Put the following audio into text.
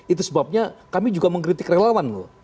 itu sebabnya kami juga mengkritik relawan loh